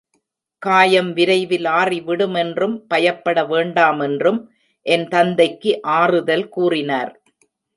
காயம் விரைவில் ஆறிவிடுமென்றும் பயப்பட வேண்டாமென்றும் என் தந்தைக்கு ஆறுதல் கூறினார்.